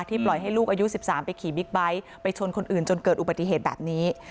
ปล่อยให้ลูกอายุ๑๓ไปขี่บิ๊กไบท์ไปชนคนอื่นจนเกิดอุบัติเหตุแบบนี้